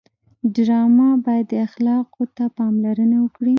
ډرامه باید اخلاقو ته پاملرنه وکړي